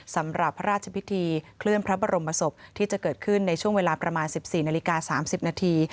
สำหรับพระราชพิธีเคลื่อนพระบรมศพที่จะเกิดขึ้นในช่วงเวลาประมาณ๑๔นาฬิกา๓๐นาที